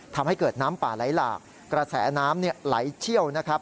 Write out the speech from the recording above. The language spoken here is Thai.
ทำให้เกิดน้ำป่าไหลหลากกระแสน้ำไหลเชี่ยวนะครับ